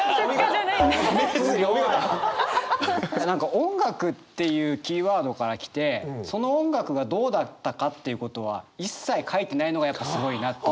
何か「音楽」っていうキーワードから来てその音楽がどうだったかっていうことは一切書いてないのがやっぱすごいな。